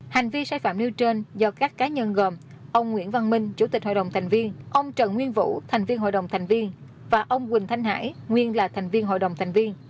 hành vi sai phạm nêu trên do các cá nhân gồm ông nguyễn văn minh chủ tịch hội đồng thành viên ông trần nguyên vũ thành viên hội đồng thành viên và ông quỳnh thanh hải nguyên là thành viên hội đồng thành viên